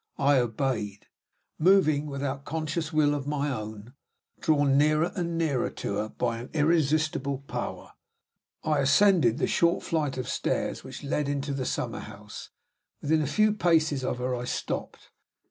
I obeyed. Moving without conscious will of my own, drawn nearer and nearer to her by an irresistible power, I ascended the short flight of stairs which led into the summer house. Within a few paces of her I stopped.